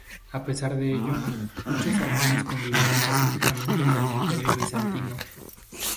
A pesar de ello, muchos armenios convivieron pacíficamente en el Imperio bizantino.